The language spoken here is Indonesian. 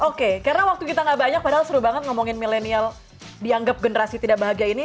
oke karena waktu kita gak banyak padahal seru banget ngomongin milenial dianggap generasi tidak bahagia ini